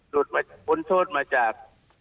รวดบอสโทษมาจาก